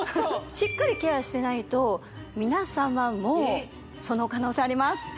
しっかりケアしてないと皆様もその可能性あります